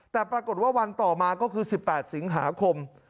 แต่ปรากฏว่าวันต่อมาก็คือ๑๘สิงหาคม